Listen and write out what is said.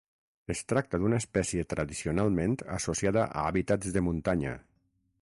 Es tracta d'una espècie tradicionalment associada a hàbitats de muntanya.